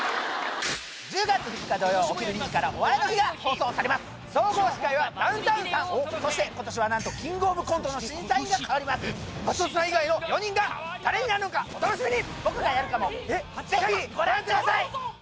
１０月２日土曜お昼２時から「お笑いの日」が放送されます総合司会はダウンタウンさんそして今年はなんと「キングオブコント」の審査員がかわります松本さん以外の４人が誰になるのかお楽しみに僕がやるかもぜひご覧ください！